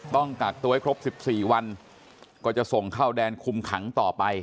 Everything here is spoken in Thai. ต้องกักตัวให้ครบ๑๔วันก็จะส่งเข้าแดนคุมขังต่อไป